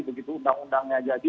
begitu undang undangnya jadi